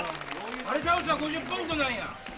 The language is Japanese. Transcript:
あれを倒したら５０ポイントなんや。